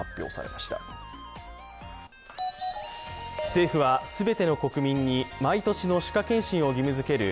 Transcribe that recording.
政府は全ての国民に毎年の歯科検診を義務づける